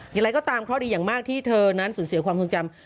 อย่างไรก็ตามข้อดีอย่างมากที่เธอนั้นสูญเสียความทรงจำ